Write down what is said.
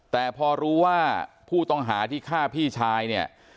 แต่พอรู้ว่าผู้ต้องหาที่ฆ่าพี่ชายเนี่ย